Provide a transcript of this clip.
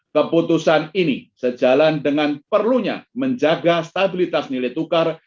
keputusan ini sejalan dengan perlunya menjaga stabilitas nilai tukar